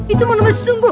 itu mau nomor sungguh